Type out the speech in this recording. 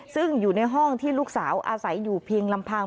ซึ่งอยู่ในห้องที่ลูกสาวอาศัยอยู่เพียงลำพัง